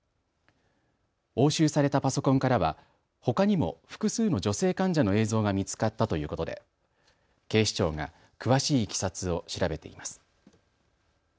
押収されたパソコンからはほかにも複数の女性患者の映像が見つかったということで警視庁が詳しいいきさつを調べています。